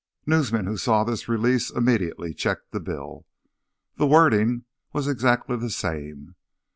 Newsmen who saw this release immediately checked the bill. The wording was exactly the same.